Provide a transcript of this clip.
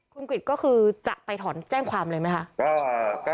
คุณกริจก็คือจะไปถอนแจ้งความเลยไหมคะ